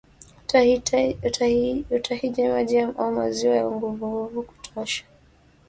utahiji Maji au maziwa ya uvuguvugu ya kutosha